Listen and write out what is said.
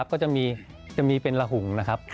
ก็จะมีเป็นระหุงนะครับ